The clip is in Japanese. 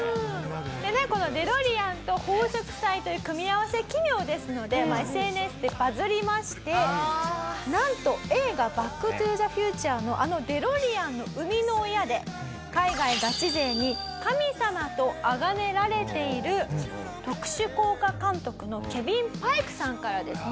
このデロリアンと奉祝祭という組み合わせ奇妙ですのでＳＮＳでバズりましてなんと映画『バック・トゥ・ザ・フューチャー』のあのデロリアンの生みの親で海外ガチ勢に神様とあがめられている特殊効果監督のケビン・パイクさんからですね